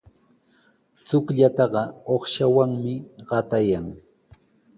Chukllataqa uqshawanmi qatayan.